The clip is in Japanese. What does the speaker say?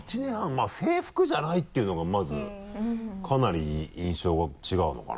まぁ制服じゃないっていうのがまずかなり印象が違うのかな？